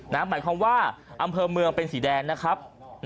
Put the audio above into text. หมายความว่าอำเภอเมืองเป็นสีแดงนะครับ